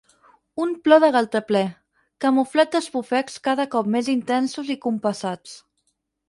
Un plor de galtaplè, camuflat d'esbufecs cada cop més intensos i compassats.